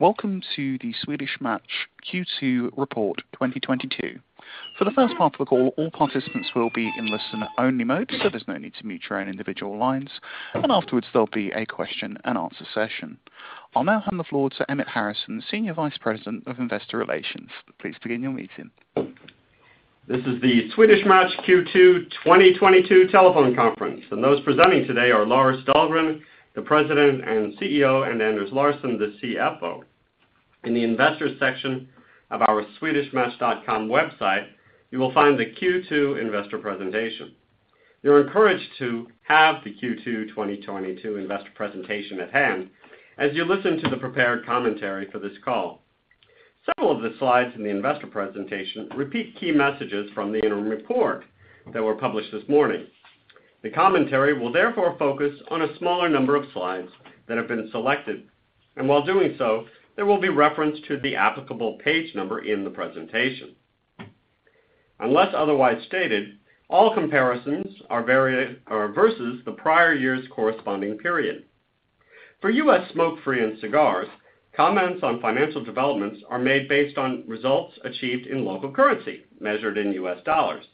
Welcome to the Swedish Match Q2 Report 2022. For the first part of the call, all participants will be in listen-only mode, so there's no need to mute your own individual lines. Afterwards, there'll be a question and answer session. I'll now hand the floor to Emmett Harrison, Senior Vice President of Investor Relations. Please begin your meeting. This is the Swedish Match Q2 2022 telephone conference, and those presenting today are Lars Dahlgren, the President and CEO, and Anders Larsson, the CFO. In the investors section of our swedishmatch.com website, you will find the Q2 investor presentation. You're encouraged to have the Q2 2022 investor presentation at hand as you listen to the prepared commentary for this call. Several of the slides in the investor presentation repeat key messages from the interim report that were published this morning. The commentary will therefore focus on a smaller number of slides that have been selected, and while doing so, there will be reference to the applicable page number in the presentation. Unless otherwise stated, all comparisons are versus the prior year's corresponding period. For U.S. Smokefree and cigars, comments on financial developments are made based on results achieved in local currency measured in U.S. dollars.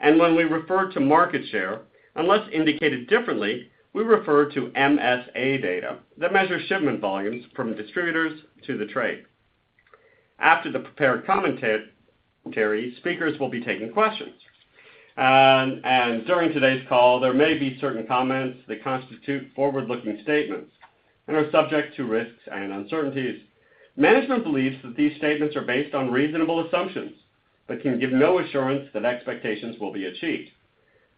When we refer to market share, unless indicated differently, we refer to MSA data that measures shipment volumes from distributors to the trade. After the prepared commentary, speakers will be taking questions. During today's call, there may be certain comments that constitute forward-looking statements and are subject to risks and uncertainties. Management believes that these statements are based on reasonable assumptions, but can give no assurance that expectations will be achieved.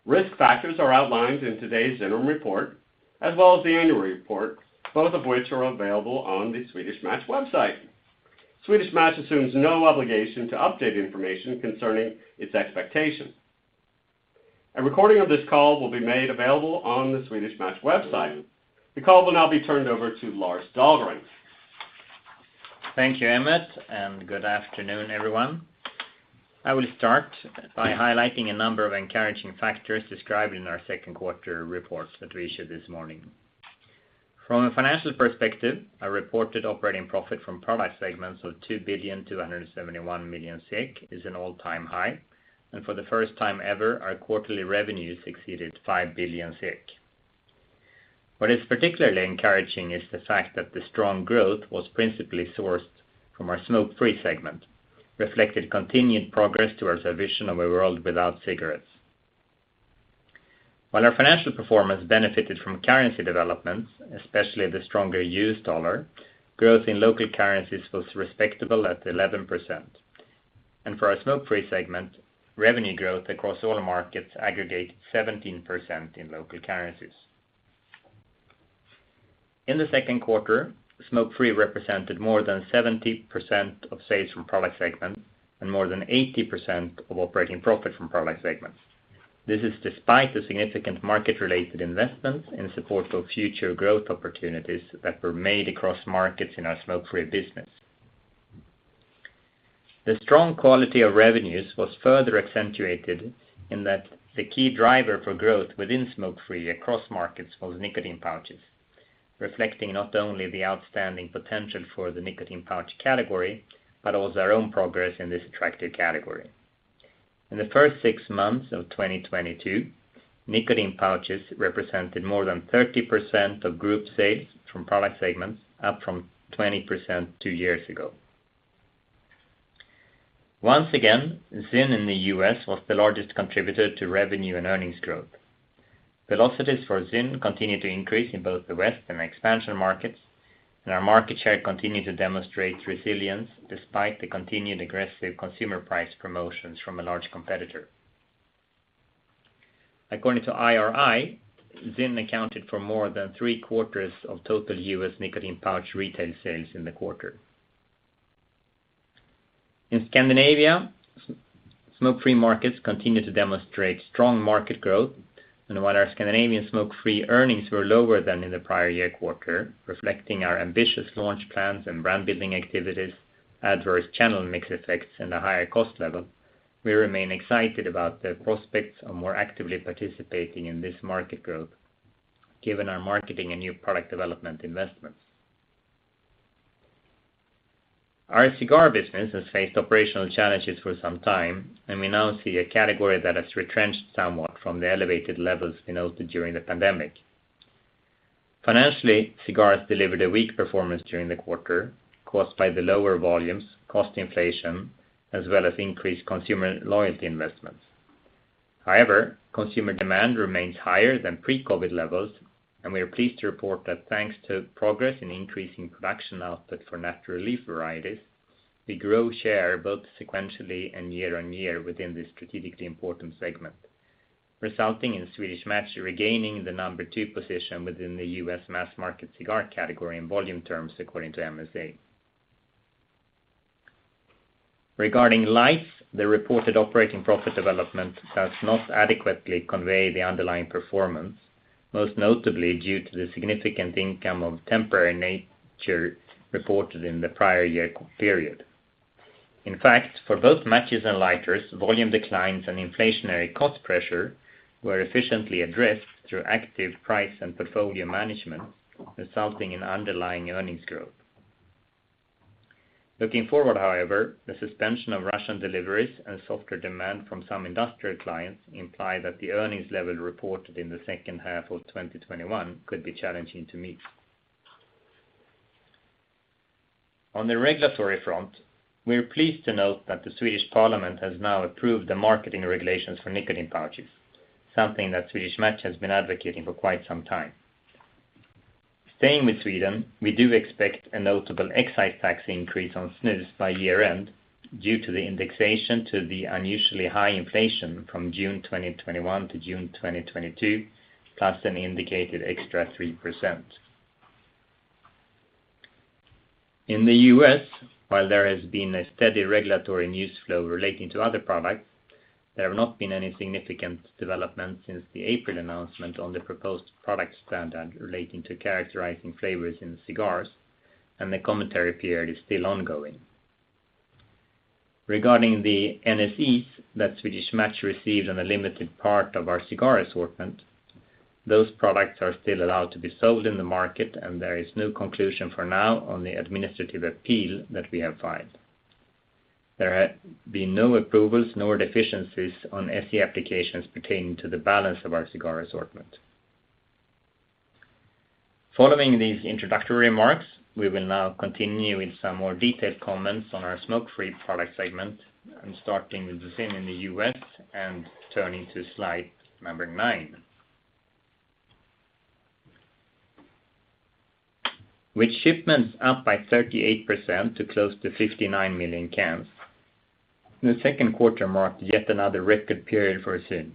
Risk factors are outlined in today's interim report as well as the annual report, both of which are available on the Swedish Match website. Swedish Match assumes no obligation to update information concerning its expectations. A recording of this call will be made available on the Swedish Match website. The call will now be turned over to Lars Dahlgren. Thank you, Emmett, and good afternoon, everyone. I will start by highlighting a number of encouraging factors described in our second quarter report that we issued this morning. From a financial perspective, our reported operating profit from product segments of 2.271 billion is an all-time high, and for the first time ever, our quarterly revenues exceeded 5 billion. What is particularly encouraging is the fact that the strong growth was principally sourced from our Smokefree segment, reflecting continued progress towards our vision of a world without cigarettes. While our financial performance benefited from currency developments, especially the stronger U.S. dollar, growth in local currencies was respectable at 11%. For our Smokefree segment, revenue growth across all markets aggregate 17% in local currencies. In the second quarter, Smokefree represented more than 70% of sales from product segments and more than 80% of operating profit from product segments. This is despite the significant market-related investments in support of future growth opportunities that were made across markets in our Smokefree business. The strong quality of revenues was further accentuated in that the key driver for growth within Smokefree across markets was nicotine pouches, reflecting not only the outstanding potential for the nicotine pouch category, but also our own progress in this attractive category. In the first six months of 2022, nicotine pouches represented more than 30% of group sales from product segments, up from 20% two years ago. Once again, ZYN in the U.S. was the largest contributor to revenue and earnings growth. Velocities for ZYN continued to increase in both the West and expansion markets, and our market share continued to demonstrate resilience despite the continued aggressive consumer price promotions from a large competitor. According to IRI, ZYN accounted for more than three-quarters of total U.S. nicotine pouch retail sales in the quarter. In Scandinavia, Smokefree markets continued to demonstrate strong market growth. While our Scandinavian Smokefree earnings were lower than in the prior year quarter, reflecting our ambitious launch plans and brand building activities, adverse channel mix effects and a higher cost level, we remain excited about the prospects of more actively participating in this market growth, given our marketing and new product development investments. Our cigar business has faced operational challenges for some time, and we now see a category that has retrenched somewhat from the elevated levels we noted during the pandemic. Financially, cigars delivered a weak performance during the quarter, caused by the lower volumes, cost inflation, as well as increased consumer loyalty investments. However, consumer demand remains higher than pre-COVID levels, and we are pleased to report that thanks to progress in increasing production output for Natural Leaf varieties, we grow share both sequentially and year-on-year within this strategically important segment, resulting in Swedish Match regaining the number two position within the U.S. mass market cigar category in volume terms, according to MSA. Regarding lights, the reported operating profit development does not adequately convey the underlying performance, most notably due to the significant income of temporary nature reported in the prior year period. In fact, for both matches and lighters, volume declines and inflationary cost pressure were efficiently addressed through active price and portfolio management, resulting in underlying earnings growth. Looking forward, however, the suspension of Russian deliveries and softer demand from some industrial clients imply that the earnings level reported in the second half of 2021 could be challenging to meet. On the regulatory front, we are pleased to note that the Swedish Parliament has now approved the marketing regulations for nicotine pouches, something that Swedish Match has been advocating for quite some time. Staying with Sweden, we do expect a notable excise tax increase on snus by year-end due to the indexation to the unusually high inflation from June 2021 to June 2022, plus an indicated extra 3%. In the U.S., while there has been a steady regulatory news flow relating to other products, there have not been any significant developments since the April announcement on the proposed product standard relating to characterizing flavors in cigars, and the comment period is still ongoing. Regarding the NSE that Swedish Match received on a limited part of our cigar assortment, those products are still allowed to be sold in the market, and there is no conclusion for now on the administrative appeal that we have filed. There have been no approvals nor deficiencies on SE applications pertaining to the balance of our cigar assortment. Following these introductory remarks, we will now continue with some more detailed comments on our Smokefree product segment and starting with the ZYN in the U.S. And turning to slide number nine. With shipments up by 38% to close to 59 million cans, the second quarter marked yet another record period for ZYN.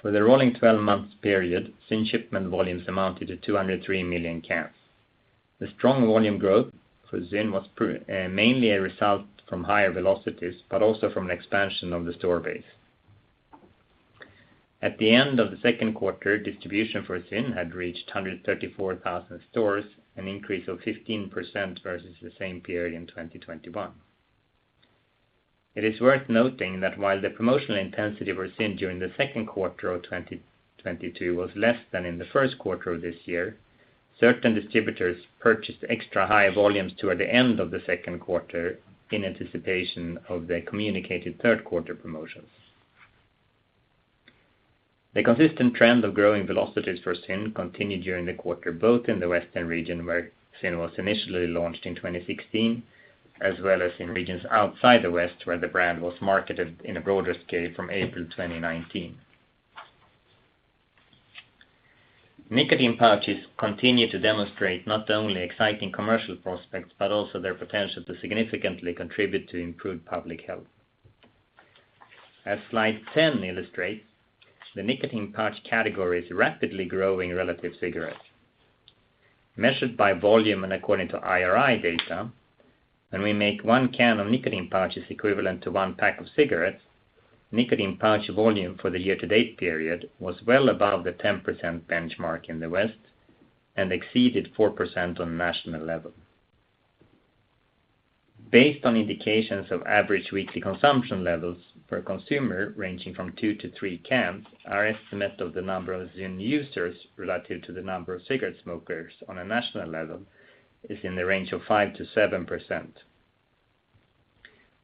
For the rolling 12 months period, ZYN shipment volumes amounted to 203 million cans. The strong volume growth for ZYN was mainly a result from higher velocities, but also from an expansion of the store base. At the end of the second quarter, distribution for ZYN had reached 134,000 stores, an increase of 15% versus the same period in 2021. It is worth noting that while the promotional intensity for ZYN during the second quarter of 2022 was less than in the first quarter of this year, certain distributors purchased extra high volumes toward the end of the second quarter in anticipation of the communicated third quarter promotions. The consistent trend of growing velocities for ZYN continued during the quarter, both in the Western region, where ZYN was initially launched in 2016, as well as in regions outside the West, where the brand was marketed in a broader scale from April 2019. Nicotine pouches continue to demonstrate not only exciting commercial prospects, but also their potential to significantly contribute to improved public health. As slide 10 illustrates, the nicotine pouch category is rapidly growing relative to cigarettes. Measured by volume and according to IRI data, when we make one can of nicotine pouches equivalent to one pack of cigarettes, nicotine pouch volume for the year-to-date period was well above the 10% benchmark in the West and exceeded 4% on a national level. Based on indications of average weekly consumption levels per consumer ranging from two to three cans, our estimate of the number of ZYN users relative to the number of cigarette smokers on a national level is in the range of 5%-7%.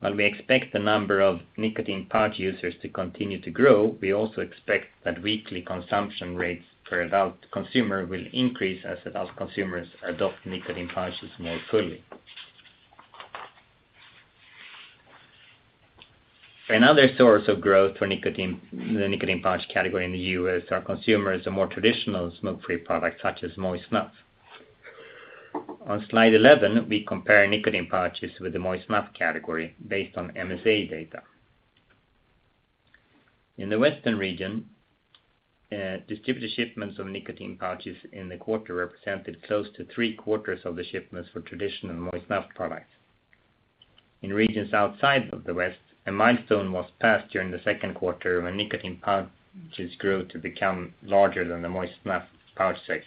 While we expect the number of nicotine pouch users to continue to grow, we also expect that weekly consumption rates per adult consumer will increase as adult consumers adopt nicotine pouches more fully. Another source of growth for nicotine, the nicotine pouch category in the U.S. are consumers of more traditional Smokefree products such as moist snuff. On slide 11, we compare nicotine pouches with the moist snuff category based on MSA data. In the Western region, distributed shipments of nicotine pouches in the quarter represented close to three-quarters of the shipments for traditional moist snuff products. In regions outside of the West, a milestone was passed during the second quarter when nicotine pouches grew to become larger than the moist snuff pouch segment.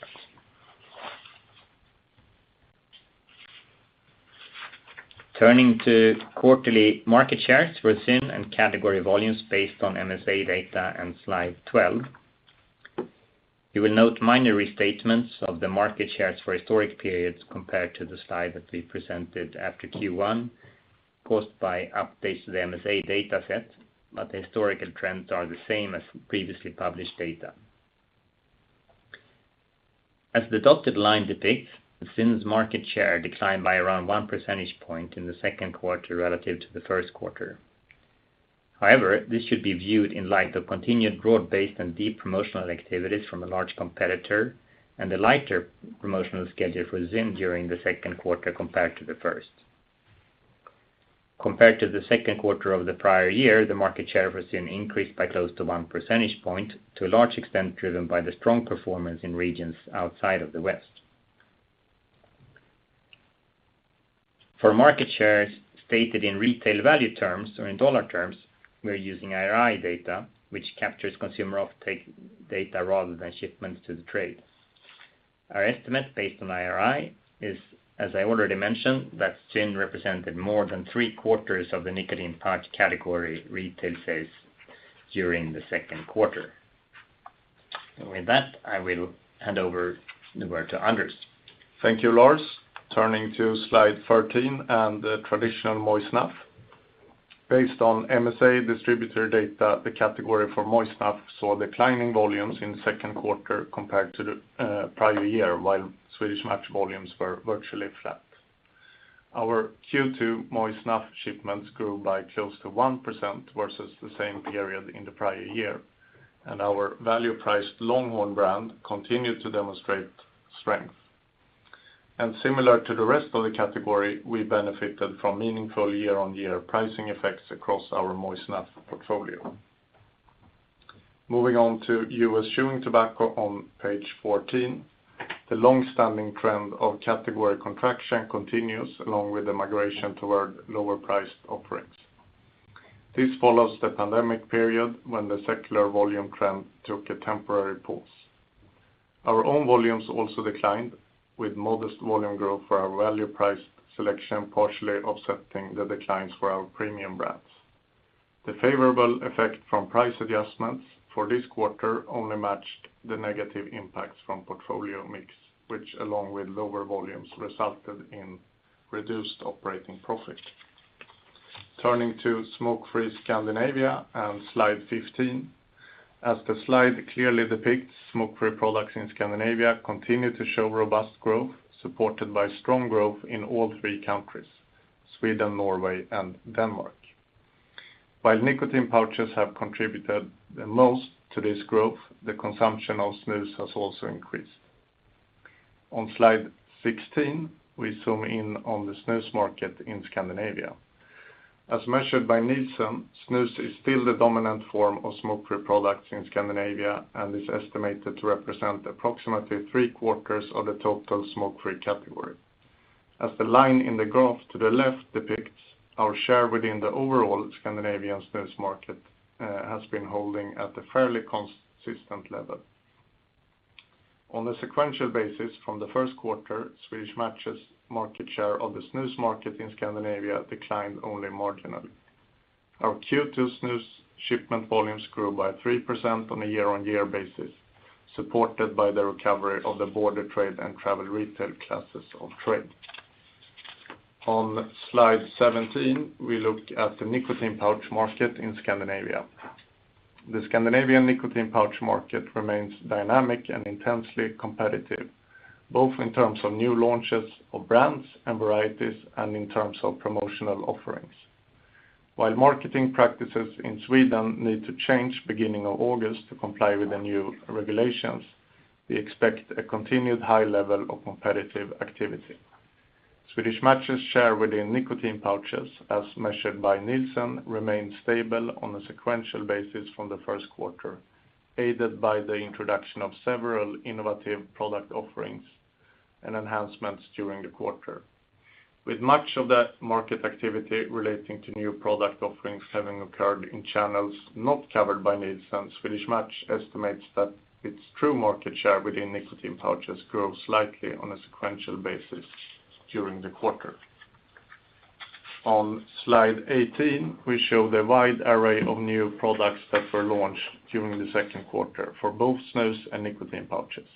Turning to quarterly market shares for ZYN and category volumes based on MSA data and slide 12, you will note minor restatements of the market shares for historic periods compared to the slide that we presented after Q1 caused by updates to the MSA data set, but the historical trends are the same as previously published data. As the dotted line depicts, ZYN's market share declined by around 1 percentage point in the second quarter relative to the first quarter. However, this should be viewed in light of continued broad-based and deep promotional activities from a large competitor and the lighter promotional schedule for ZYN during the second quarter compared to the first. Compared to the second quarter of the prior year, the market share for ZYN increased by close to 1 percentage point to a large extent driven by the strong performance in regions outside of the West. For market shares stated in retail value terms or in dollar terms, we are using IRI data, which captures consumer offtake data rather than shipments to the trade. Our estimate based on IRI is, as I already mentioned, that ZYN represented more than 3/4 of the nicotine pouch category retail sales during the second quarter. With that, I will hand over the word to Anders. Thank you, Lars. Turning to slide 13 and the traditional moist snuff. Based on MSA distributor data, the category for moist snuff saw declining volumes in the second quarter compared to the prior year, while Swedish Match volumes were virtually flat. Our Q2 moist snuff shipments grew by close to 1% versus the same period in the prior year, and our value-priced Longhorn brand continued to demonstrate strength. Similar to the rest of the category, we benefited from meaningful year-on-year pricing effects across our moist snuff portfolio. Moving on to U.S. chewing tobacco on page 14. The long-standing trend of category contraction continues along with the migration toward lower priced offerings. This follows the pandemic period when the secular volume trend took a temporary pause. Our own volumes also declined, with modest volume growth for our value price selection, partially offsetting the declines for our premium brands. The favorable effect from price adjustments for this quarter only matched the negative impacts from portfolio mix, which along with lower volumes resulted in reduced operating profit. Turning to Smokefree Scandinavia on slide 15. As the slide clearly depicts, Smokefree products in Scandinavia continue to show robust growth, supported by strong growth in all three countries, Sweden, Norway, and Denmark. While nicotine pouches have contributed the most to this growth, the consumption of snus has also increased. On slide 16, we zoom in on the snus market in Scandinavia. As measured by Nielsen, snus is still the dominant form of Smokefree products in Scandinavia and is estimated to represent approximately 3/4 of the total Smokefree category. As the line in the graph to the left depicts, our share within the overall Scandinavian snus market has been holding at a fairly consistent level. On a sequential basis from the first quarter, Swedish Match's market share of the snus market in Scandinavia declined only marginally. Our Q2 snus shipment volumes grew by 3% on a year-on-year basis, supported by the recovery of the border trade and travel retail classes of trade. On slide 17, we look at the nicotine pouch market in Scandinavia. The Scandinavian nicotine pouch market remains dynamic and intensely competitive, both in terms of new launches of brands and varieties, and in terms of promotional offerings. While marketing practices in Sweden need to change beginning of August to comply with the new regulations, we expect a continued high level of competitive activity. Swedish Match's share within nicotine pouches, as measured by Nielsen, remained stable on a sequential basis from the first quarter, aided by the introduction of several innovative product offerings and enhancements during the quarter. With much of the market activity relating to new product offerings having occurred in channels not covered by Nielsen, Swedish Match estimates that its true market share within nicotine pouches grew slightly on a sequential basis during the quarter. On slide 18, we show the wide array of new products that were launched during the second quarter for both snus and nicotine pouches.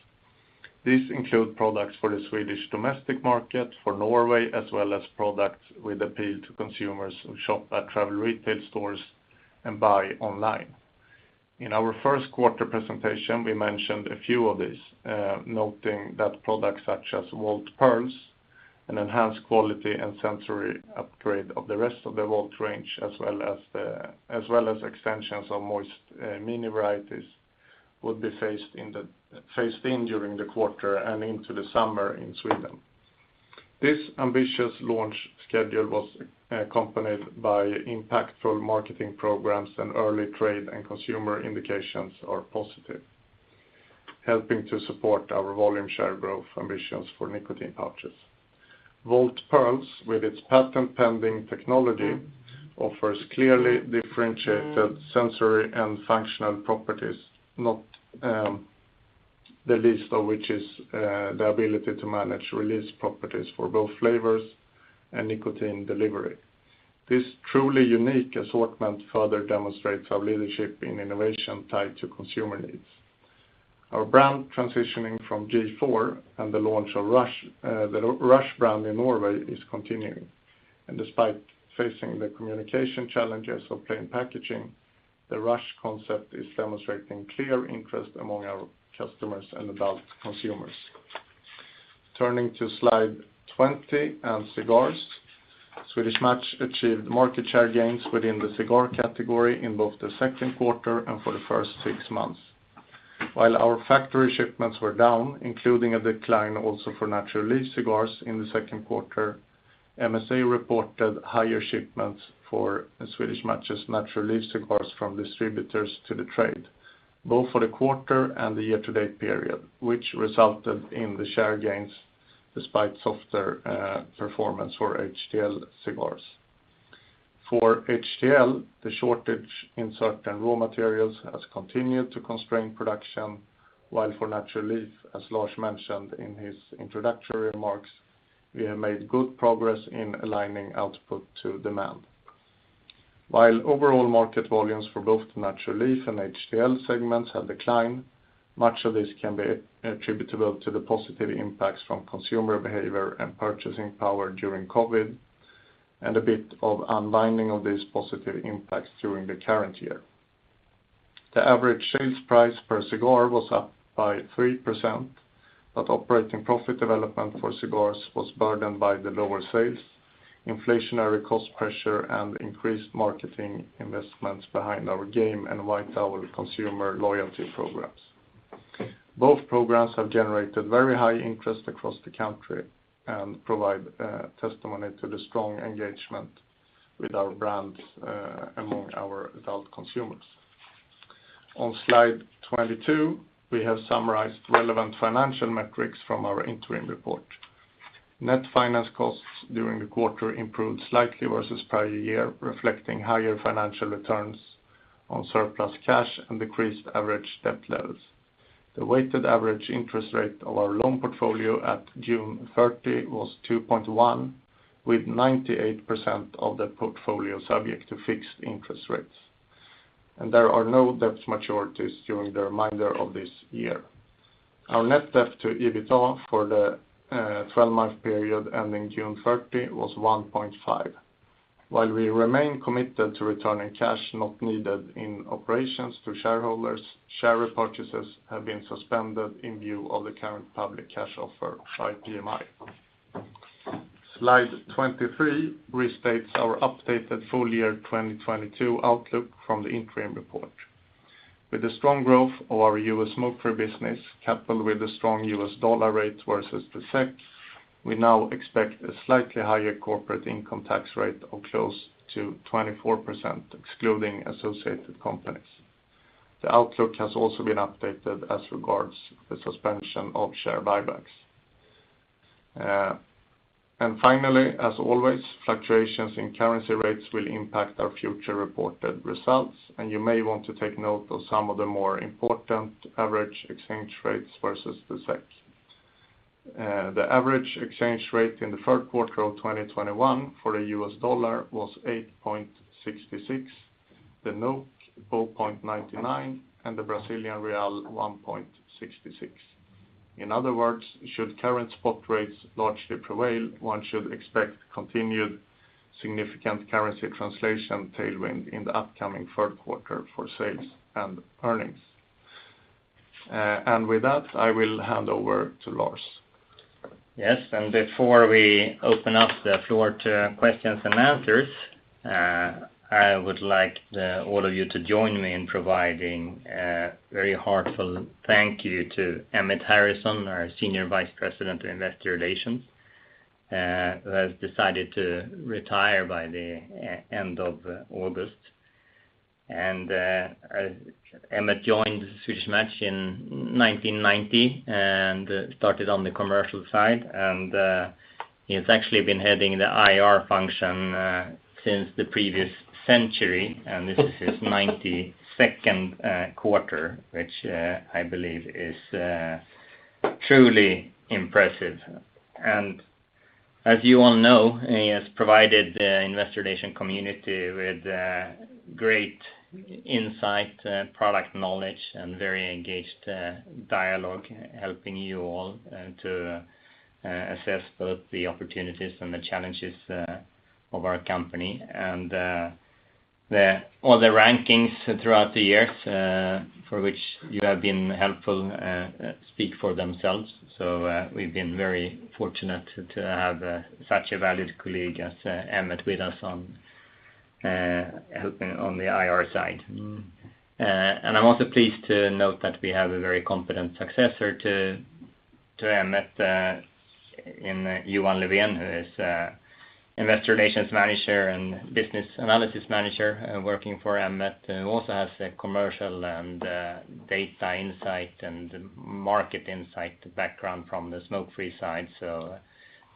These include products for the Swedish domestic market, for Norway, as well as products with appeal to consumers who shop at travel retail stores and buy online. In our first quarter presentation, we mentioned a few of these, noting that products such as VOLT Pearls, an enhanced quality and sensory upgrade of the rest of the VOLT range, as well as extensions of moist mini varieties, would be phased in during the quarter and into the summer in Sweden. This ambitious launch schedule was accompanied by impactful marketing programs, and early trade and consumer indications are positive, helping to support our volume share growth ambitions for nicotine pouches. VOLT Pearls, with its patent-pending technology, offers clearly differentiated sensory and functional properties, not the least of which is the ability to manage release properties for both flavors and nicotine delivery. This truly unique assortment further demonstrates our leadership in innovation tied to consumer needs. Our brand transitioning from G.4 and the launch of Rush, the Rush brand in Norway is continuing. Despite facing the communication challenges of plain packaging, the Rush concept is demonstrating clear interest among our customers and adult consumers. Turning to slide 20 and cigars. Swedish Match achieved market share gains within the cigar category in both the second quarter and for the first six months. While our factory shipments were down, including a decline also for Natural Leaf cigars in the second quarter, MSA reported higher shipments for Swedish Match's Natural Leaf cigars from distributors to the trade, both for the quarter and the year-to-date period, which resulted in the share gains despite softer performance for HTL cigars. For HTL, the shortage in certain raw materials has continued to constrain production, while for Natural Leaf, as Lars mentioned in his introductory remarks, we have made good progress in aligning output to demand. While overall market volumes for both Natural Leaf and HTL segments have declined, much of this can be attributable to the positive impacts from consumer behavior and purchasing power during COVID, and a bit of unwinding of these positive impacts during the current year. The average sales price per cigar was up by 3%, but operating profit development for cigars was burdened by the lower sales, inflationary cost pressure, and increased marketing investments behind our Game and White Owl consumer loyalty programs. Both programs have generated very high interest across the country and provide testimony to the strong engagement with our brands among our adult consumers. On slide 22, we have summarized relevant financial metrics from our interim report. Net finance costs during the quarter improved slightly versus prior year, reflecting higher financial returns on surplus cash and decreased average debt levels. The weighted average interest rate of our loan portfolio at June 30 was 2.1x, with 98% of the portfolio subject to fixed interest rates. There are no debt maturities during the remainder of this year. Our net debt to EBITDA for the 12-month period ending June 30 was 1.5x. While we remain committed to returning cash not needed in operations to shareholders, share repurchases have been suspended in view of the current public cash offer by PMI. Slide 23 restates our updated full year 2022 outlook from the interim report. With the strong growth of our U.S. Smokefree business, coupled with the strong U.S. dollar rate versus the SEK, we now expect a slightly higher corporate income tax rate of close to 24%, excluding associated companies. The outlook has also been updated as regards the suspension of share buybacks. Finally, as always, fluctuations in currency rates will impact our future reported results, and you may want to take note of some of the more important average exchange rates versus the SEK. The average exchange rate in the third quarter of 2021 for the U.S. dollar was 8.66, the 4.99, and the Brazilian real 1.66. In other words, should current spot rates largely prevail, one should expect continued significant currency translation tailwind in the upcoming third quarter for sales and earnings. With that, I will hand over to Lars. Yes, before we open up the floor to questions and answers, I would like all of you to join me in providing a very heartfelt thank you to Emmett Harrison, our Senior Vice President of Investor Relations, who has decided to retire by the end of August. Emmett joined Swedish Match in 1990 and started on the commercial side. He's actually been heading the IR function since the previous century. This is his 92nd quarter, which I believe is truly impressive. As you all know, he has provided the Investor Relations community with great insight, product knowledge, and very engaged dialogue, helping you all to assess both the opportunities and the challenges of our company. All the rankings throughout the years, for which you have been helpful, speak for themselves. We've been very fortunate to have such a valued colleague as Emmett with us on helping on the IR side. I'm also pleased to note that we have a very competent successor to Emmett in Johan Levén, who is Investor Relations Manager and Business Analysis Manager working for Emmett, and who also has a commercial and data insight and market insight background from the Smokefree side.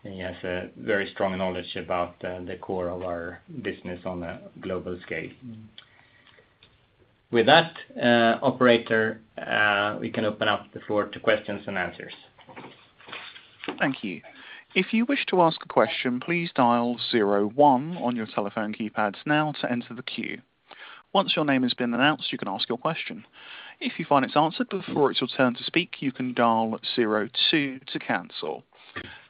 He has a very strong knowledge about the core of our business on a global scale. With that, operator, we can open up the floor to questions and answers. Thank you. If you wish to ask a question, please dial zero one on your telephone keypads now to enter the queue. Once your name has been announced, you can ask your question. If you find it's answered before it's your turn to speak, you can dial zero two to cancel.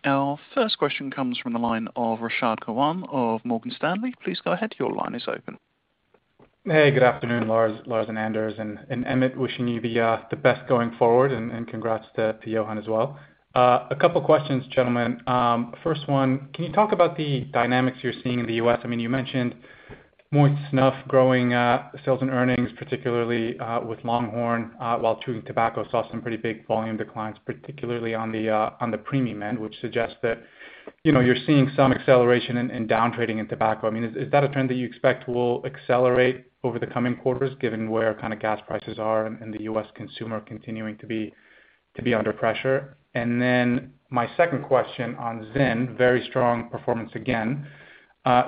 Our first question comes from the line of Rashad Kawan of Morgan Stanley. Please go ahead. Your line is open. Hey, good afternoon, Lars and Anders, and Emmett, wishing you the best going forward, and congrats to Johan as well. A couple of questions, gentlemen. First one, can you talk about the dynamics you're seeing in the U.S.? I mean, you mentioned moist snuff growing sales and earnings, particularly with Longhorn, while chewing tobacco saw some pretty big volume declines, particularly on the premium end, which suggests that you know, you're seeing some acceleration in downtrading in tobacco. I mean, is that a trend that you expect will accelerate over the coming quarters, given where kind of gas prices are and the U.S. consumer continuing to be under pressure? And then my second question on ZYN, very strong performance again.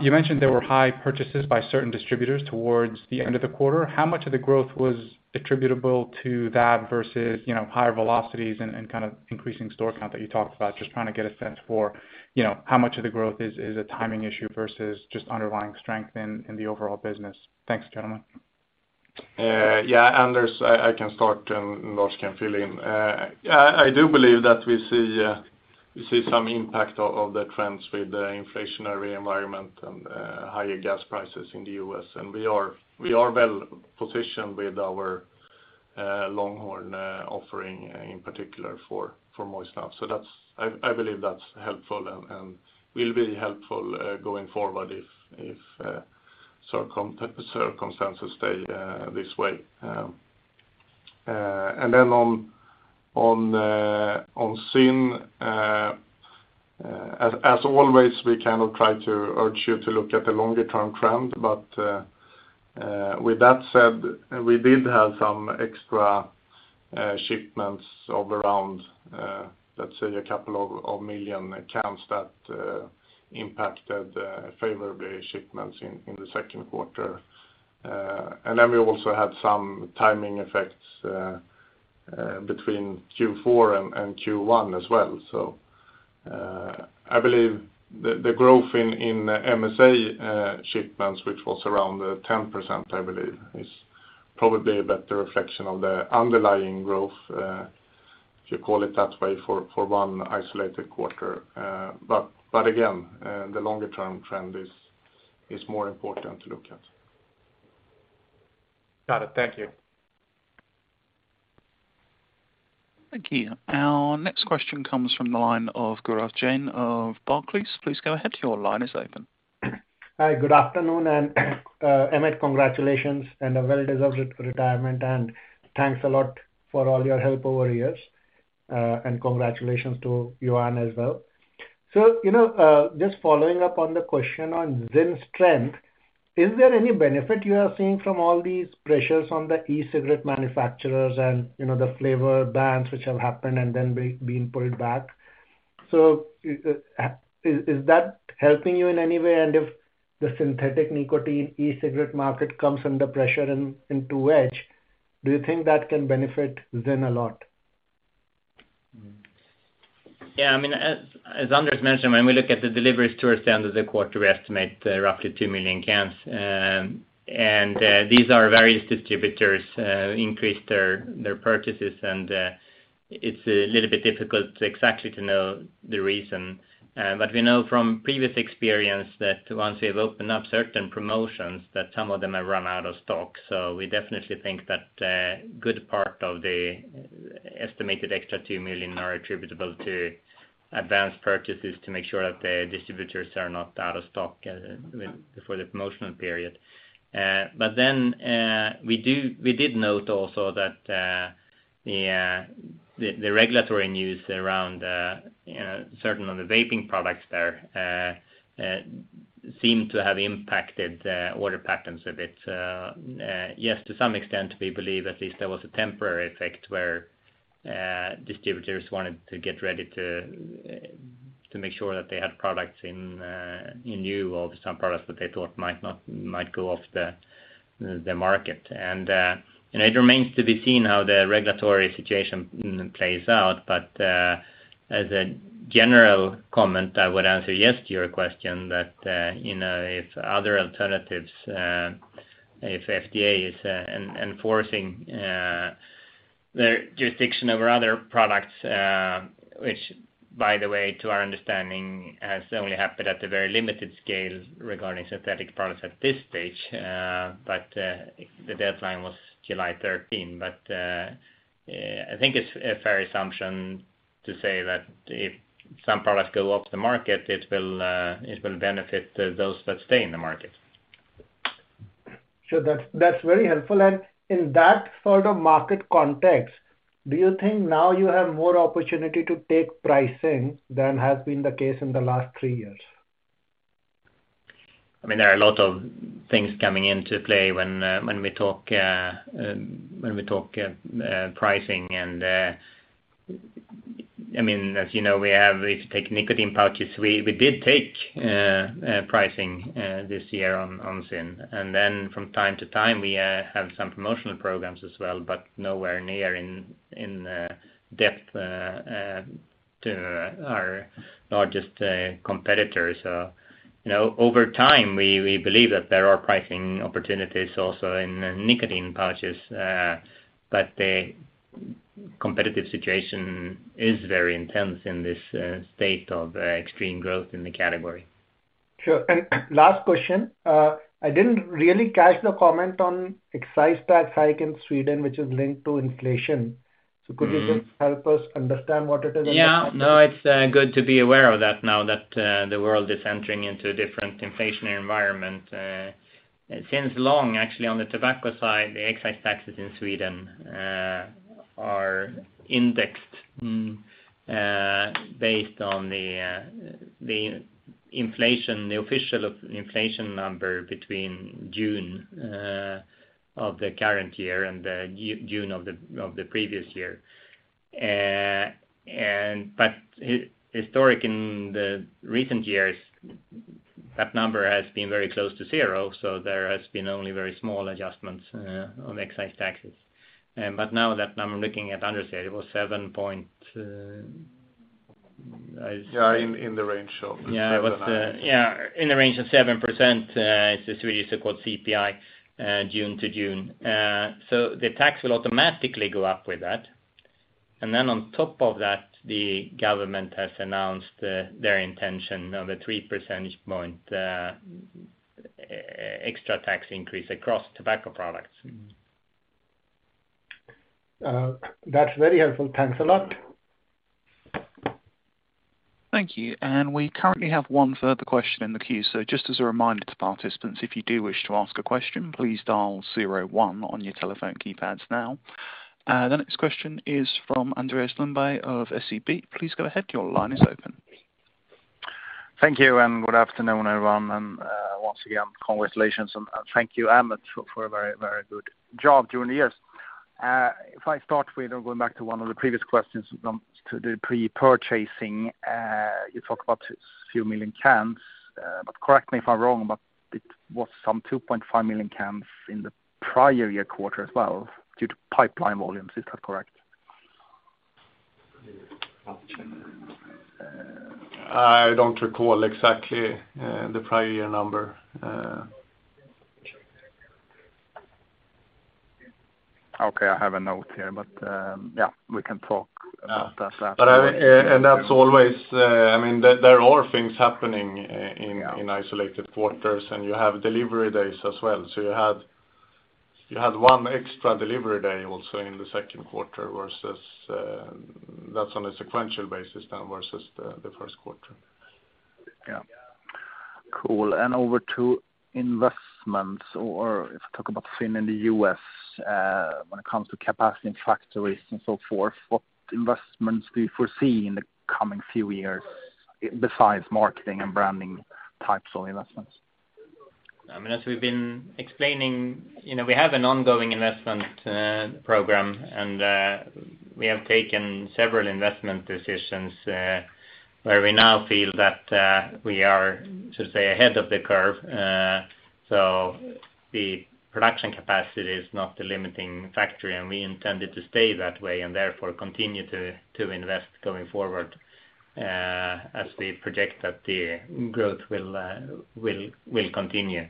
You mentioned there were high purchases by certain distributors towards the end of the quarter. How much of the growth was attributable to that versus, you know, higher velocities and kind of increasing store count that you talked about? Just trying to get a sense for, you know, how much of the growth is a timing issue versus just underlying strength in the overall business. Thanks, gentlemen. Yeah, Anders, I can start, and Lars can fill in. Yeah, I do believe that we see some impact of the trends with the inflationary environment and higher gas prices in the U.S., and we are well-positioned with our Longhorn offering in particular for moist snuff. That's helpful and will be helpful going forward if circumstances stay this way. Then on ZYN, as always, we kind of try to urge you to look at the longer-term trend. With that said, we did have some extra shipments of around, let's say a couple of million cans that impacted favorably shipments in the second quarter. We also had some timing effects between Q4 and Q1 as well. I believe the growth in MSA shipments, which was around 10%, I believe, is probably a better reflection of the underlying growth, if you call it that way, for one isolated quarter. Again, the longer-term trend is more important to look at. Got it. Thank you. Thank you. Our next question comes from the line of Gaurav Jain of Barclays. Please go ahead. Your line is open. Hi, good afternoon. Emmett, congratulations on a well-deserved retirement, and thanks a lot for all your help over the years. Congratulations to Johan as well. You know, just following up on the question on ZYN's strength, is there any benefit you are seeing from all these pressures on the e-cigarette manufacturers and, you know, the flavor bans which have happened and then been pulled back? Is that helping you in any way? If the synthetic nicotine e-cigarette market comes under pressure and on the edge, do you think that can benefit ZYN a lot? Yeah, I mean, as Anders mentioned, when we look at the deliveries towards the end of the quarter, we estimate roughly 2 million cans. These various distributors increased their purchases, and it's a little bit difficult to exactly know the reason. We know from previous experience that once we've opened up certain promotions, that some of them have run out of stock. We definitely think that a good part of the estimated extra 2 million cans are attributable to advanced purchases to make sure that the distributors are not out of stock, you know, before the promotional period. We did note also that the regulatory news around, you know, certain of the vaping products there seem to have impacted order patterns a bit. Yes, to some extent, we believe at least there was a temporary effect where distributors wanted to get ready to make sure that they had products in view of some products that they thought might go off the market. It remains to be seen how the regulatory situation plays out. As a general comment, I would answer yes to your question that, you know, if other alternatives, if FDA is enforcing their jurisdiction over other products, which by the way, to our understanding, has only happened at a very limited scale regarding synthetic products at this stage, but the deadline was July 13. I think it's a fair assumption to say that if some products go off the market, it will benefit those that stay in the market. Sure. That's very helpful. In that sort of market context, do you think now you have more opportunity to take pricing than has been the case in the last three years? I mean, there are a lot of things coming into play when we talk pricing. I mean, as you know, we have, if you take nicotine pouches, we did take pricing this year on ZYN. Then from time to time we have some promotional programs as well, but nowhere near in depth to our largest competitors. You know, over time, we believe that there are pricing opportunities also in nicotine pouches. The competitive situation is very intense in this state of extreme growth in the category. Sure. Last question. I didn't really catch the comment on excise tax hike in Sweden, which is linked to inflation. Mm-hmm. Could you just help us understand what it is and- Yeah. No, it's good to be aware of that now that the world is entering into a different inflationary environment. It seems likely actually, on the tobacco side, the excise taxes in Sweden are indexed based on the official inflation number between June of the current year and June of the previous year. Historically in the recent years, that number has been very close to zero, so there has been only very small adjustments on excise taxes. Now that I'm looking at other sides, it was seven points. Yeah, in the range of 7%. Yeah, in the range of 7%. It's the Swedish so-called CPI, June to June. The tax will automatically go up with that. On top of that, the government has announced their intention of a three percentage point extra tax increase across tobacco products. Mm-hmm. That's very helpful. Thanks a lot. Thank you. We currently have one further question in the queue. Just as a reminder to participants, if you do wish to ask a question, please dial zero one on your telephone keypads now. The next question is from Andreas Lundberg of SEB. Please go ahead. Your line is open. Thank you, and good afternoon, everyone. Once again, congratulations and thank you, Emmett, for a very good job during the years. If I start with going back to one of the previous questions on to the pre-purchasing, you talk about a few million cans. But correct me if I'm wrong, but it was some 2.5 million cans in the prior year quarter as well due to pipeline volumes. Is that correct? I don't recall exactly the prior year number. Okay, I have a note here. Yeah, we can talk about that after. That's always, I mean, there are things happening in isolated quarters, and you have delivery days as well. You had one extra delivery day also in the second quarter versus that's on a sequential basis now versus the first quarter. Over to investments or if we talk about ZYN in the U.S., when it comes to capacity in factories and so forth, what investments do you foresee in the coming few years besides marketing and branding types of investments? I mean, as we've been explaining, you know, we have an ongoing investment program, and we have taken several investment decisions, where we now feel that should say, ahead of the curve. The production capacity is not the limiting factor, and we intend it to stay that way and therefore continue to invest going forward, as we project that the growth will continue.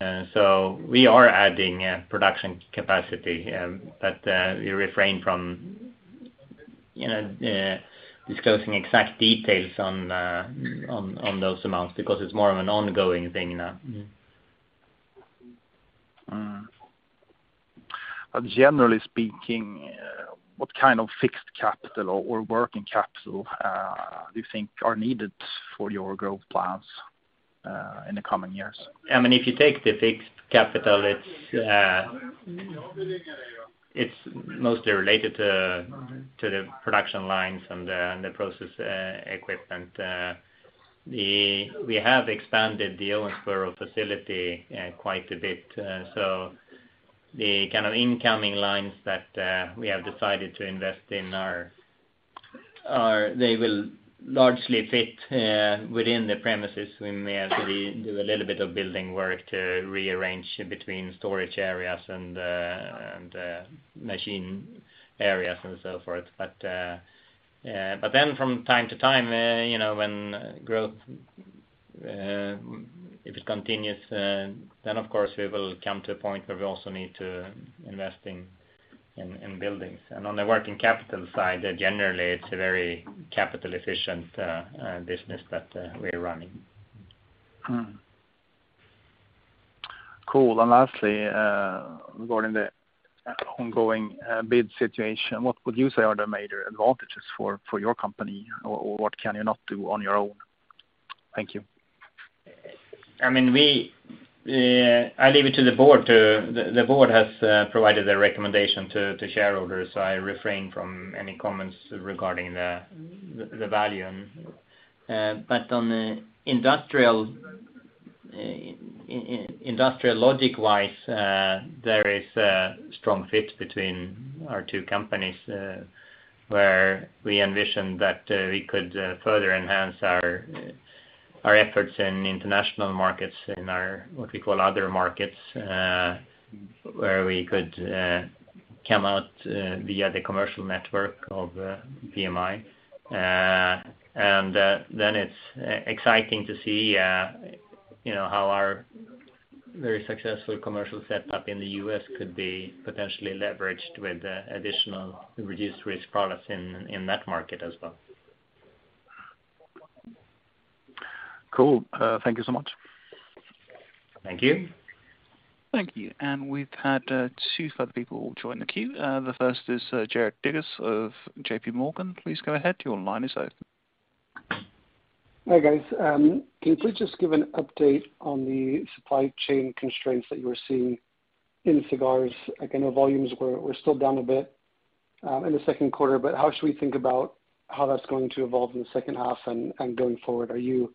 We are adding production capacity, but we refrain from, you know, disclosing exact details on those amounts because it's more of an ongoing thing now. Mm-hmm. Generally speaking, what kind of fixed capital or working capital do you think are needed for your growth plans in the coming years? I mean, if you take the fixed capital, it's mostly related to the production lines and the process equipment. We have expanded the Owensboro facility quite a bit. The kind of incoming lines that we have decided to invest in are. They will largely fit within the premises. We may have to do a little bit of building work to rearrange between storage areas and machine areas and so forth. Then from time to time, you know, when growth if it continues, then of course we will come to a point where we also need to invest in buildings. On the working capital side, generally, it's a very capital efficient business that we're running. Mm-hmm. Cool. Lastly, regarding the ongoing bid situation, what would you say are the major advantages for your company or what can you not do on your own? Thank you. The board has provided a recommendation to shareholders, so I refrain from any comments regarding the value. On the industrial logic-wise, there is a strong fit between our two companies, where we envision that we could further enhance our efforts in international markets, in our what we call other markets, where we could come out via the commercial network of PMI. Then it's exciting to see, you know, how our very successful commercial setup in the U.S. could be potentially leveraged with additional reduced-risk products in that market as well. Cool. Thank you so much. Thank you. Thank you. We've had two further people join the queue. The first is Jared Dinges of JPMorgan. Please go ahead. Your line is open. Hi, guys. Can you please just give an update on the supply chain constraints that you were seeing in cigars? Again, the volumes were still down a bit in the second quarter, but how should we think about how that's going to evolve in the second half and going forward? You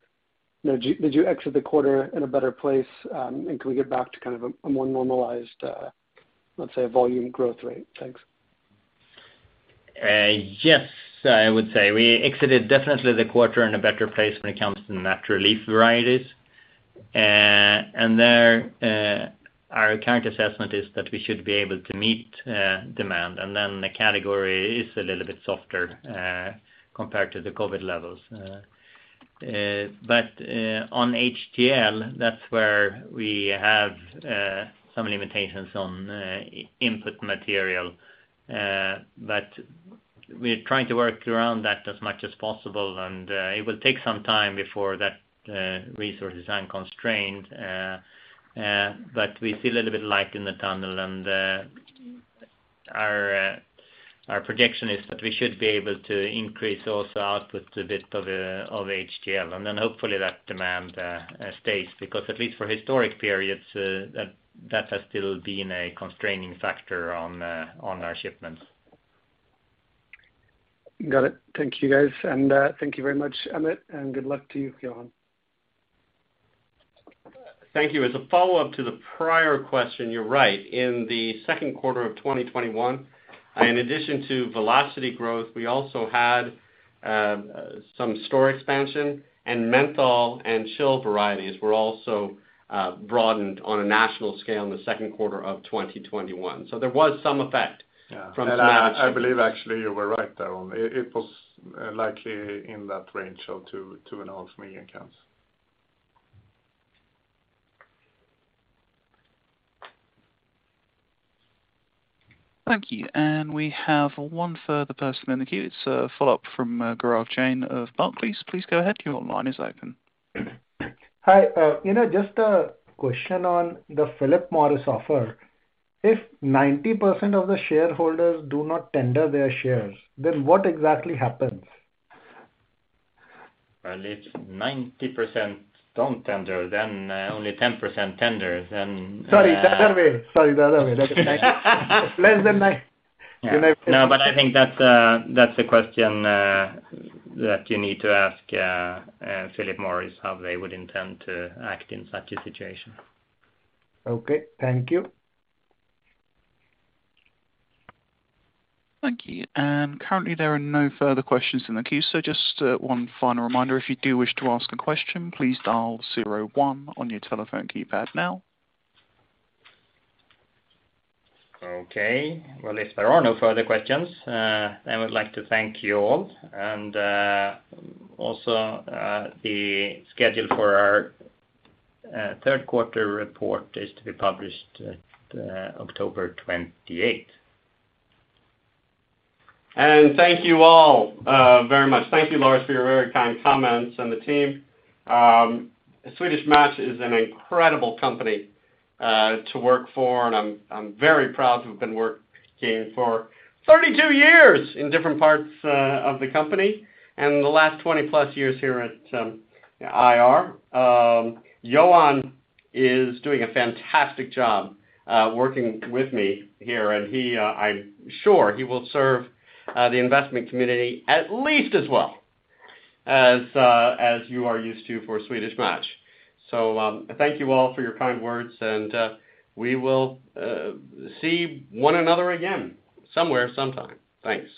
know, did you exit the quarter in a better place, and can we get back to kind of a more normalized, let's say, volume growth rate? Thanks. Yes, I would say we exited definitely the quarter in a better place when it comes to natural leaf varieties. There, our current assessment is that we should be able to meet demand, and then the category is a little bit softer compared to the COVID levels. On HTL, that's where we have some limitations on input material, but we're trying to work around that as much as possible and it will take some time before that resource is unconstrained. We see a little bit of light in the tunnel and our projection is that we should be able to increase also output a bit of HTL. Hopefully that demand stays, because at least for historic periods, that has still been a constraining factor on our shipments. Got it. Thank you, guys. Thank you very much, Emmett, and good luck to you, Johan. Thank you. As a follow-up to the prior question, you're right. In the second quarter of 2021, in addition to velocity growth, we also had some store expansion, and menthol and chill varieties were also broadened on a national scale in the second quarter of 2021. There was some effect- Yeah. From that. I believe actually you were right there on it. It was likely in that range of 2 million-2.5 million counts. Thank you. We have one further person in the queue. It's a follow-up from Gaurav Jain of Barclays. Please go ahead. Your line is open. Hi. You know, just a question on the Philip Morris offer. If 90% of the shareholders do not tender their shares, then what exactly happens? Well, if 90% don't tender, then only 10% tenders. Sorry, the other way. Do you know? No, I think that's a question that you need to ask Philip Morris how they would intend to act in such a situation. Okay, thank you. Thank you. Currently there are no further questions in the queue. Just one final reminder, if you do wish to ask a question, please dial zero one on your telephone keypad now. Okay. Well, if there are no further questions, I would like to thank you all. Also, the schedule for our third quarter report is to be published October 28. Thank you all very much. Thank you, Lars, for your very kind comments and the team. Swedish Match is an incredible company to work for, and I'm very proud to have been working for 32 years in different parts of the company, and the last 20+ years here at IR. Johan is doing a fantastic job working with me here, and he, I'm sure he will serve the investment community at least as well as you are used to for Swedish Match. Thank you all for your kind words and we will see one another again, somewhere, sometime. Thanks.